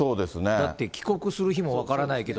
だって帰国する日も分からないけど